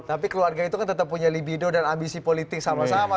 tapi keluarga itu kan tetap punya libido dan ambisi politik sama sama